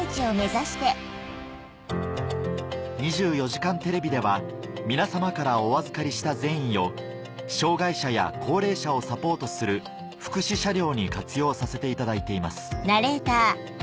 『２４時間テレビ』では皆様からお預かりした善意を障がい者や高齢者をサポートする福祉車両に活用させていただいています